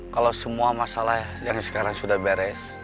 kalau semua masalah yang sekarang sudah beres